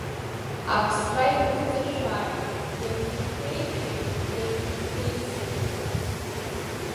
Аԥсра игәыҵашәааит, иагьышԥеишәеи иагьышԥеизеи!